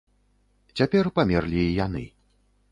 Цяпер памерлі і яны.